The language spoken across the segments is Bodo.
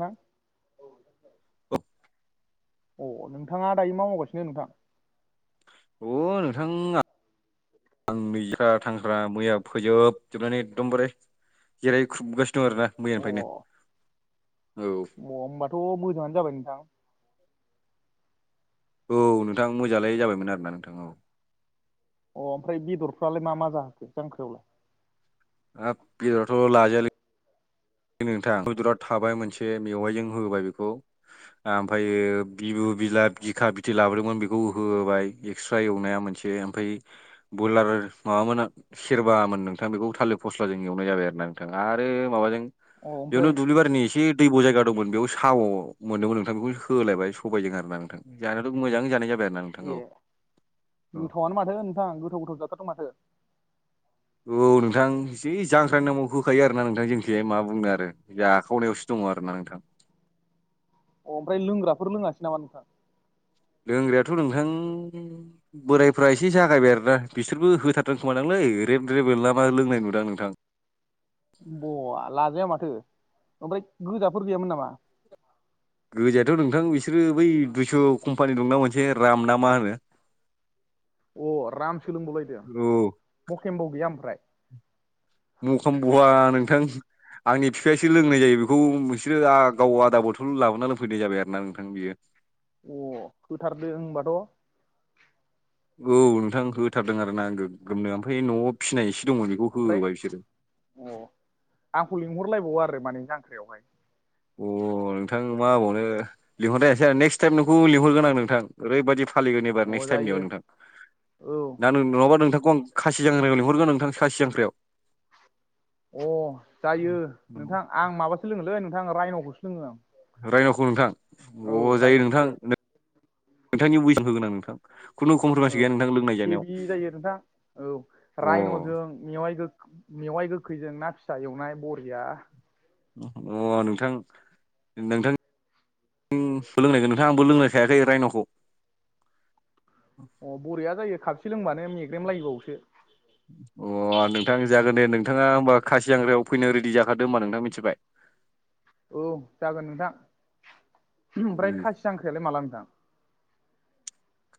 नोंथां अ अ नोंथाङा दायो मा मावगासिनो नोंथां अ नोंथाङा आं नुख्रा थांख्रा मैया फोजोबजोबनानै एकदमबारे जेराय खुबगासिनो दं आरोोना मैयानिफ्रायनो औ अा होनबाथ' मोजाङानो जाबाय नोंथां औ नोंथां मोजालाय जाबायमोन आरो ना नोंथांाव अ ओमफ्राय बेदरफ्रालाय मा मा जाहोखो जांख्रिायावलाय हाब बियाथ' लाजायालै नोंथां हुदराव थाबाय मोनसे मेवाइजों होबाय बेखौ आमफायो बिबु बिला बिखा बिथै लाबोदोंमोन बेखौ होबाय एकस्रा एवनाया मोनसे ओमफाय बयलार माबामोना सेरबामोन नोंथां बेखौ थालिर फ'स्लाजों एवनाय जाबाय आरोना नोंथाङा आरो माबाजों अ बेयावनो ओमफ्राय दुब्लि बारिनि एसे दैब' जायगा दंमोन बेयाव साम' मोनदोंमोन नोंथां बेखौ होलायबाय सबायजों आरोना नोंथां जानायाथ मोजां जाबाय आरोना नों ए गोथावआनो माथो नोंथां गोथावगोथाव जाथारदों माथो औ नोंथां जि जांख्रानि नामाव होखायो आरोना नोंथां जोंनिखिजाय मा बुंनो आरो जाखावनायावसो दङ आरोना नोंथां अ ओमफ्राय लोंग्राफोर लोङासै नामा नोंथा लोंग्रायाथ' नोंथां बोरायफ्रा एसे जागायबाय आरोना बिसोरबो होथार दोंखोमादांलै रेब-रेबेल नामा लोंनाय नुदां नोंथां ब लाजाया माथो ओमफ्राय गोजाफोर गैयामोन नामा गोजायाथ' नोंथां बिसोरो बै दुइस' कम्पानि दंना मोनसे राम ना मा होनो [unintelligible] अ राम सोलोंबावलायदों औ मकेमब' गैया ओमफ्राय म'खामब'आ नोंथां आंनि फिफायासो लोंनाय जायो बेखौ बिसोरो आ गाव आदा बथल लाबोना लोंफैनाय जाबाय आरोना नों थां बियो अ होथारदो होनबाथ' औ नोंथां होथारदों आरोना गोगोमनो ओमफाय न'आव फिनाय एसे दङ बेखौ ओमफ्राय होबाय बिसोरो अ आंखौ लिंहरलायबावा आरो माने जांख्रायावहाय अ नोंथां मा आबावनो लिंहरनोयासै आरो नेक्स टाइम नोंखौ लिंहरगोन आं नोंथां ओरैबायदि फालिगोन एबार अ नेक्सट टाइमनियाव जायो नोंथां औ ना नङाबा नोंथांखौ आं खासि जांख्रायाव लिंहरगोन नोंथां खासि जांख्रायाव अ जायो नोंथां आं माबासो लोङोलै नोंथां रायन'खौसो लोङो आं रायनावखौ नोंथां औ अ जायो नोंथां रायन'खौसो नोंथांनि बयस होगोन आं नोंथां खुनु कमप्रमाइस गैया नोंथां लोंनाय जानायाव दे नोंथां औ अ रायन'जों मेवाइ गोख मेवाइ गोखैजों ना फिसा एवनाय बरिया अ नोंथां नोंथां उम सोलोंनायगोन नोंथां आंबो लोंनायखायाखै रायन'खौ अ बरिया जायो खापसे लोंबानो मेग्रेम लायोबावसो अ नोंथां जागोन दे नोंथाङा होमबा खासियांग्रायाव फैनायनो रेडि जाखादो होनोमबा नोंथां मिथिबाय औ जागोन नोंथां ओमफ्राय खासि जांख्रायालाय माला नोंथां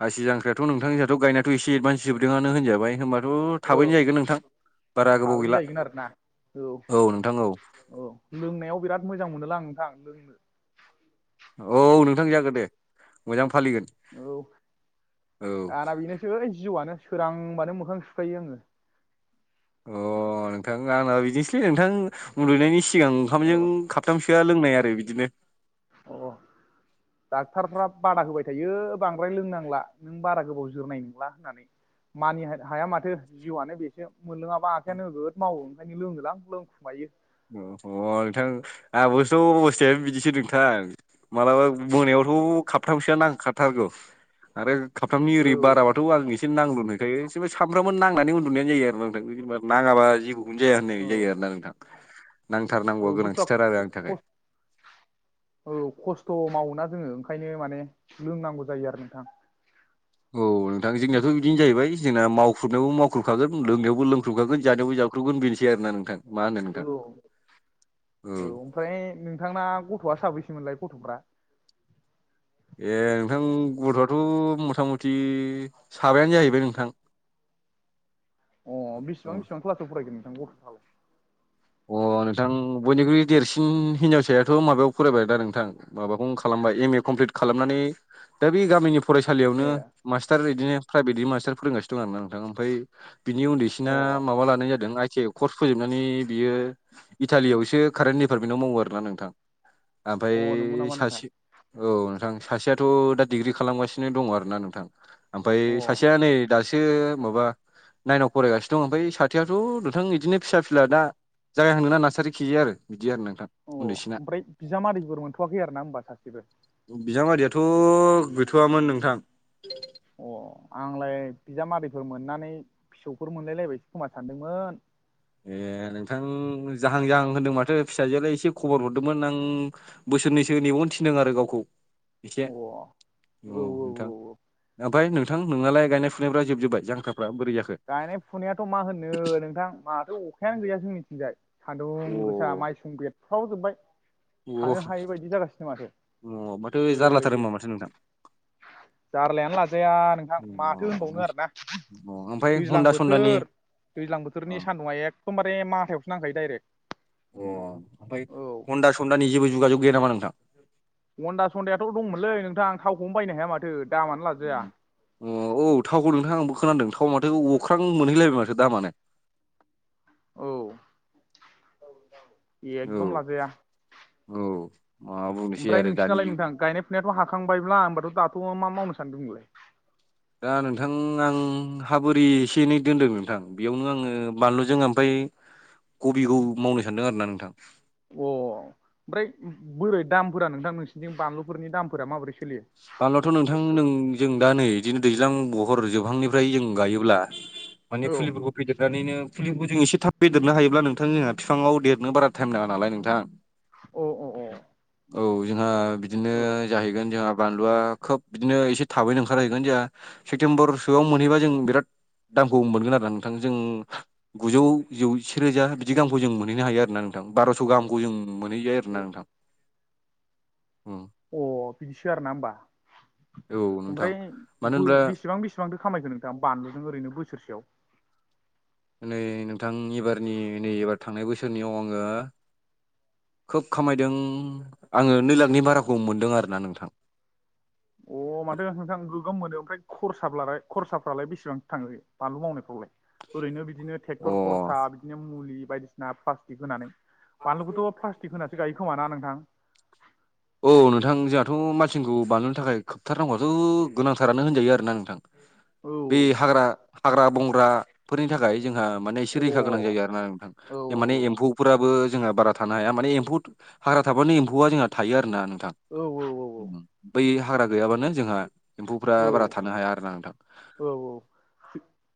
गासि जांख्राथ' नोंथां जाहाथ' गायनायाथ' एदभान्स जोबदोंआनो होनजाबाय होनबा थ औ थाबैनो जाहैगोन नोंथां बारा गोबाव थाबैनो गैला जाहैगोन आरोना औ नोंथां औ औ लोंनायाव बिराद मोजां मोनोलां नोंथां लोंनो औ नोंथां जागोन दे मोजां फालिगोन औ औ आना बेनोसै जिवानो सोरांबानो मोखां सुखायो आङो अ नोंथां आंना बिदिनोसैलै नोंथां उन्दुनायनि सिगां ओंखामजों औ काप थामसोआ लोंनाय आरो बिदिनो अ डाक्टारफ्रा बादा होबाय थायो बांद्राय लोंनांला नों बारा गोबाव जोरनाय नोंला होननानै मानि हा हाया माथो जिउआनो बेसो मोनलोङाबा आखाइया नोगोद मावो ओंखायनो लोङोलां लोंखुमायो अह नोंथां आहाबोस' अबस्थायानो बिदिसो नों मालाबा मोनायावथ' खाबथामसोआ नांखाथारगौ आरो खाबथामनि औ इरै बाराबाथ आं एसे नांलुननायखाय एसेबो सानफ्रामबो नांनानै उनदुनायानो जायो आरोना नोंथां बिदि मा नाङाबा जेबोखौनो जाया होननाय औ जायो आरो ना नोंथां औ नांथारनांगौआ बुजथआ गोनांथिथार आरो आंनि थाखाय खस औ खस्थ' मावोना जोङो ओंखायनो माने लोंनांगौ जायो आरो नोंथां औ नोंथां जोंनियाथ' बिदिनो जायैबाय जोंना मावख्रुबनायावबो मावख्रुबखागोन लोंनायावबो लोंख्रुबखागोन जानायावबो जाख्रुबगोन बेनोसै आरोना नोंथां मा होनो औ नोंथां औ ओमफ्राय नोंथांना गथ'आ साबैसोममोनलाय गथ'फ्रा ए नोंथां गथ'आथ' मुथा मुथि साबायानो जाहैबाय नोंथां अ बिसिबां बिसिबां क्लासाव फरायगोन नोंथां गथ'फोरा अ नोंथां बयनिख्रुइ देरसिन हिनजावसायाथ' माबायाव फरायबाय दा नोंथां माबाखौनो खालामबाया एम ए कमप्लिट खालामनानै दा बे गामिनि फरायसालिआवनो ए मास्टार इदिनो प्राइभेटनि मास्टार फोरोंगासिनो दं आरो ना नोंथां आमफाय हो‌ बिनि अ उन्दैसिना माबा लानाय जादों आइ टि आइ कर्स फोजोबनानै बियो इटालिआवसो कारेन्ट डिपार्टमेन्टाव मावो आरो ना नोंथां आमफाय अ नंगौ नामा नोंथां सासे औ नोंथां सासेयाथ' दा डिग्रि खालामगासिनो दङ आरोना नोंथां ओमफफ्राय अ सासेया नै दासो माबा नाइनाव फरायगासिनो दं ओमफ्राय सा खोथाययाथ' नोंथां बिदिनो फिसा फिला दा जाया होनदोंना नार्सारि खियो आरो बिदि आरो नोंथां अ उन्दैसिना ओमफ्राय बिजामादैफोर मोनथ'वाखै आरो ना होनबा सासेबो बिजामादैयाथ' गैथ'वाममोन नोंथां अ आंलाय बिजामादैफोर मोननानै फिसौफोर मोनलायलायबायसो खोमा सानदोंमोन ए नोंथां जाहां जाहां होनदों माथो फिसाजोआलाय एसे खबर हरदोंमोन आं बोसोरनैसो नेबावनो थिनदों आरो गावखौ एसे अ औ औ औ आमफाय नोंथां नोंनालाय गायनाय फुनायफ्रा जोबजोबबाय जांक्राफ्रा बोरै जाखो गायनाय फुनायाथ' मा होननो नोंथां माथो अखायानो गैया जोंनिथिंजाय सान्दुं गोस जा माइसुं बेरफ्राव जोबबाय अ अ थानो हायै बादि जागासिनो माथो अ माथो जारलाथार ओरैबादि होमबा माथो नोंथां जारलायानो लाजाया नोंथां अ माथो होनबावनो आरोना अ ओमफ्राय दैज्लां हन्दा सन्दानि बोथोर दैज्लां अ बोथोरनि सान्दुंआ एखदमबारे मथायावसो नांखायो दाइरेक्ट अ आमफाय ह'नदा स'नदानि जेबो जुगाजोग गैया नामा नोंथां हनदा सनदायाथ' दंमोनलै नोंथां थावखौनो बायनो हाया माथो दामानो लाजाया अ औ थावखौ नोंथां आंबो खोनादों थावा माथो अख्रां मोनहैलायबाय माथो दामानो औ [inaudible] औ एकदम लाजाया औ मा बुंनोसै आमफ्राय आरो दानि नोंसिनालाय जुगनि नोंथां गायनाय याथ' हाखांबायब्ला होमबाथ' दाथ' मा मावनो सानदोंमो नोंलाय दा नोंथां आं हाबोरै एसे एनै दोनदों नोंथां बेआवनो आङो बानलुजों आमफाय कबिखौ मावनो सानदों आरो ना नोंथां अ आमफ्राय बोरै दामफोरा नोंथां नोंसिनिथि बानलुफोरनि दामफोरा माबोरै सोलियो बानलुआथ' नोंथां नों जों दा नै इदिनो दैज्लां बहर जोबहांनिफ्राय जों गायोब्ला माने औ फुलिफोरखौ फेदेरनानैनो फुलिखौ जों एसे थाब फदेरनो हायोब्ला नोंथां जोंहा बिफांआव देरनो बारा टाइम नाङा नालाय नोंथां अ अ अ औ जोंहा बिदिनो औ जाहैगोन जोंहा बानलुआ खोब बिदिनो एसे थाबैनो ओंखारहैगोन जोंहा सेप्तेम्बर सोआव मोनहैबा जों बिराद दामखौ मोनगोन आरो नोंथां जों गुजौ जौसे रोजा बिदि दामखौ जों मोनहैनो हायो आरो ना नोंथां नोंथां बार'स' गाहामखौ जों मोनहैयो आरो ना नोंथां अ बिदिसो आरो ना होमबा औ नोंथां आमफ्राय मानो बो होनब्ला बेसेबां बेसेबां बेसेबांथो खामायखो नोंथां बानलुजों ओरैनो बोसोरसेआव नै नोंथां एबारनि नै एबार थांनाय बोसोरनिआव आङो खोब खामायदों आङो नै लाखनि बाराखौ मोनदों आरोना नोंथां अ माथो नोंथां गोगोम मोनो आमफ्राय खरसाबालाय खरसाफ्रालाय बेसेबां थाङो बानलु मावनायफ्रावलाय ओरैनो बिदिनो ट्रेक्टर अ खरसा बिदिनो मुलि बायदिसिना प्लास्टिक होनानै बानलुखौथ' प्लास्टिक होनासो गायो खोमाना नोंथां औ नोंथां जोंहाथ' मासिनखौ बानायनो थाखाय खोबथारनांगौआथ' गोनांथारानो होनजायो आरोना नोंथां औ बे हाग्रा हाग्रा बंग्राफोरनि थाखाय जोंहा माने अ औ एसे रैखा गोनां जायो आरोना नोंथां औ माने एम्फौफोराबो जोंहा बारा थानो हाया मानि एम्फौ हाग्रा थाबानो एम्फौआ जोंहा थायो आरो ना नोंथां औ औ बै हाग्रा गैयाबानो जोंहा एम्फौफ्रा औ बारा थानो हाया आरो ना नोंथां औ औ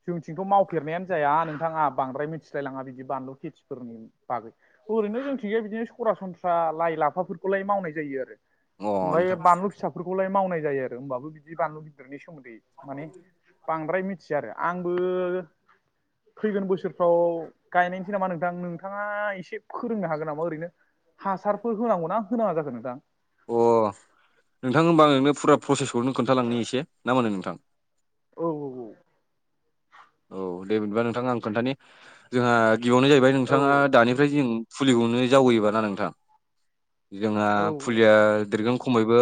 जोंनिथिंथ' मावफेरनायानो जाया नोंथाङा बांद्राय मिथिलायलाङा बिदि बानलु खेथिफोरनि बागै ओरैनो जों थिं गै बिदिनो सरासनस्रा लाइ लाफाफोरखौलाय मावनाय जायो आरो अ ओमफाय नोंथां बानलु फिसाफोरखौलाय मावनाय जायो आरो होमबाबो बिदि बानलु गिदिरनि सोमोन्दै माने बांद्राय मिथिया आरो आंबो फैगोन बोसोर बोसोरफ्राव गायनायनोसै नामा नोंथां नोंथांआ एसे फोरोंनो हागोन नामा ओरैनो हासारफोर होनांगौ ना होनांआ जाखो नोंथां अ नोंथां होनबा आं नोंनो फुरा प्रसेसखौनो खोन्थालांनो एसे ना मा होनो नोंथां औ औ औ औ दे बिदिबा नोंथाङा आं खोन्थानि जोंहा गिबियावनो जाहैबाय औ नोंथाङा दानिफ्राय जों फुलिखौनो जावैयोबा ना नोंथां जोंहा औ औ फुलिया देरगोन खमैबो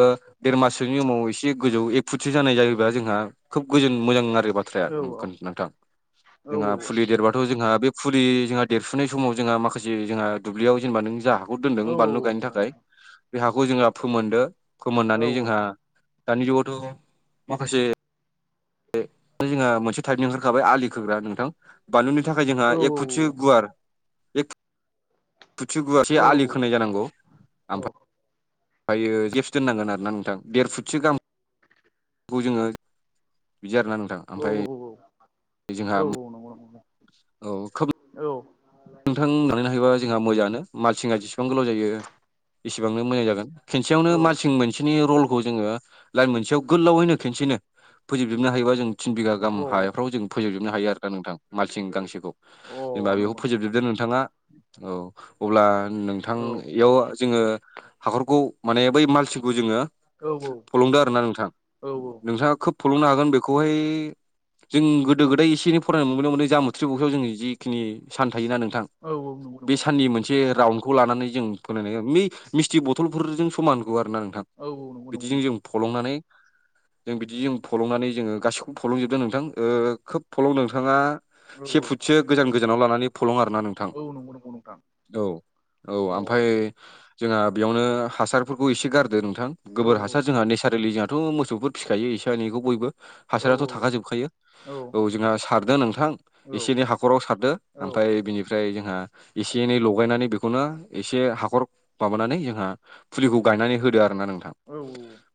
देर माससोनि उमाव एसे गोजौ एक फुटसो जानाय जायोबा जोंहा खोब गोजोन मोजां आरो बा [unintelligible] औ नोंथां औ जोंहा फुलि देरबाथ' जोंहा बे फुरि जोंहा देरफुनाय समाव जोंहा माखासे जोंहा दुब्लियाव जेनेबा नों जा खौ औ दोन्दों बानलु औ गायनो नंगौ थाखाय बे हाखौ जोंहा फोमोनदो औ फोमोननानै जोंहा दानि जुगावथ' माखासे जोंहा मोनसे टाइपनि ओंखारखाबाय आलि खोग्रा नोंथां बानलुनि थाखाय जोंहा औ एक फुटि गुवार एक फु फुथसे गुवारसे आलि खोनाय जानांगौ औ ओमफायो गेपस दोननांगोन आरोना नोंथां देर फुटसो गाहाम बेखौ जोङो बिदि आरोना नोंथां ओमफ्राय औ जोंहा औ औ नंगौ नंगौ औ खोब औ नोंथां बानायनो हायोबा जोंहा मोजाङानो माल सिंङा जेसिबां गोलाव जायो एसेबांनो मोजां जागोन खेनसेयावनो मालसिं मोनसेनि रलखौ जोङो लाइन मोनसेयाव गोलावैनो खनसेनो फोजोबजोबनो हायोबा जों थिन बिगा गाहाम हायाव फ्राव जों फोजोबजोबनो हायो आरोना नोंथां मालसिं गांसेखौ औ जेनेबा अ बेखौ नंगौ नंगौ फोजोबजोबदो नोंथाङा औ अब्ला नोंथां औ औ इयाव जोङो हाखरखौ माने बै मालसिखौ जोङो औ औ फलंदो आरोना नोंथां औ नोंथाङा खोब फल'नो हागोन बेखौहाय जों गोदो गोदाय एसे एनै फरायनो मोनदों मोने जाम थ्रिबुसाव जोंनि जिखिनि सान थायोना नोंथां औ नंगौ बे नंगौ साननि मोनसे राउनडखौ लानानै जों फोनायनाय मिसथि बथलफोरजों समान गुवार ना नोंथां औ औ नंगौ नंगौ नंगौ बिदिजों जों नोंथां फलंनानै जों बिदि जों फलंनानै जोङो गासिखौबो फलंजोबदो नोंथां ओ खोब फलं नोंथाङा से फुटसो गोजान गोजानाव लानानै फलं आरोना नोंथां नंगौ नंगौ नोंथां औ औ आमफाय जोंहा बेयावनो हासारफोरखौ एसे गारदो नोंथां औ गोबोर हासार जोंहा नेचारेलि जोहाथ' मोसौफोर फिखायो एसे एनैखौ बयबो औ हासाराथ' नंगौ नंगौ नोंथां थाखाजोबखायो अ औ जोंहा सारदो नोंथां औ एसे एनै हाखराव सारदो औ आमफ्राय बिनिफ्राय जोंहा एसे एनै लगायनानै बेखौनो एसे हाखर माबानानै जोंहा फुलिखौ गायनानै होदो आरो ना नोंथां औ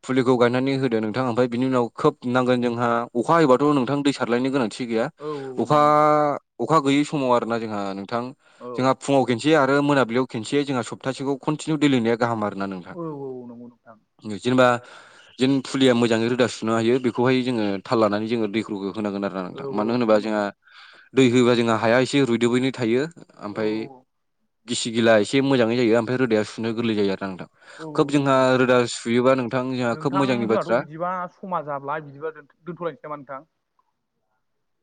फुलिखौ गायनानै होदो नोंथाङा ओमफ्राय बिनि उनाव खोब नांगोन जोंहा अखा हयोबाथ' नोंथां दै सारलायनायनो गोनांथि गैया औ औ नंगौ अखा नोंथां अखा गैयि स समाव आरो ना जोंहा नोंथां औ जोंहा फुङाव खनसे आरो मोनाबिलियाव खनसे जोंहा सप्तासेखौ खन्टिनिउ दै लुनाया गाहाम आरोना नोंथां औ नंगौ नोंथां जेनेबा जेन फुलिया मोजाङै रोदा सुनो हायो बेखौहाय जोङो थाल लानानै जोङो दैफोरखौ होनांगोन आरो ओ नोंथां औ औ मानो होनोबा नंगौ जोंहा नोंथां दै होयोबा जोंहा हाया एसे रुइदोबैनो थायो औ ओमफफ्राय औ गिसि गिला एसे मोजाङै जायो ओमफ्राय रोदाया सुनो गोरलै जायो आरो ना नोंथां औ खोब नंगौ जोंहा नोंथां रोदा सुयोबा नोंथां जोंहा खोब नोंथां मोजांनि जोंहाथ' बाथ्रा बिदिबा समा जाब्ला बिदिबा दोनथ'लनोसै नामा नोंथां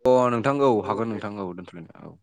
अ नोंथां औ हागोन नोंथां औ दोनथ' नोंथां औ